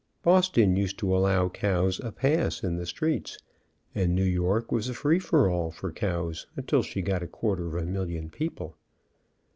Boston used to allow cows a pass in the streets, and Xew York was a free for all for cows until she got a quarter of a million people.